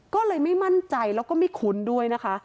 ก็เลยไม่มั่นใจแล้วก็ไม่คุ้นด้วยนะคะ